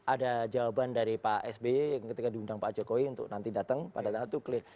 ada jawaban dari pak sby yang ketika diundang pak jokowi untuk nanti datang pada saat itu clear